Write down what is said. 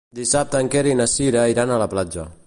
Dissabte en Quer i na Cira iran a la platja.